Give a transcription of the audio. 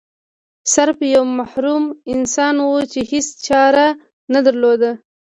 سرف یو محروم انسان و چې هیڅ چاره نه درلوده.